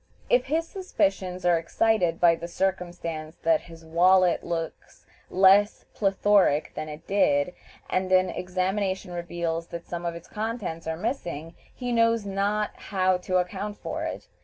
If his suspicions are excited by the circumstance that his wallet looks less plethoric than it did, and an examination reveals that some of its contents are missing, he knows not how to account for it.